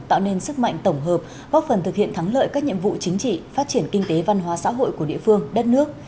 tạo nên sức mạnh tổng hợp góp phần thực hiện thắng lợi các nhiệm vụ chính trị phát triển kinh tế văn hóa xã hội của địa phương đất nước